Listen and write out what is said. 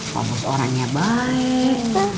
pak bos orangnya baik